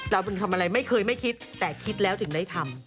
เราเป็นคนทำอะไรไม่เคยไม่คิดแต่คิดแล้วถึงได้ทำ